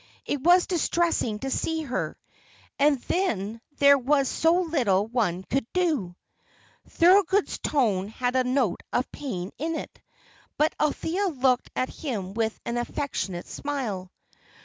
It was distressing to see her. And then there was so little one could do!" Thorold's tone had a note of pain in it, but Althea looked at him with an affectionate smile.